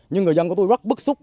nhưng người dân của tôi rất bức xúc